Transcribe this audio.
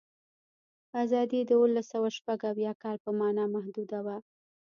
آزادي د اوولسسوهشپږاویا کال په معنا محدوده وه.